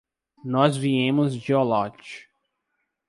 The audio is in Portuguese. Nós viemos de Olot.